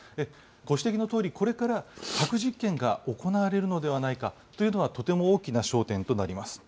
ご指摘のとおり、これから核実験が行われるのではないかというのは、とても大きな焦点となります。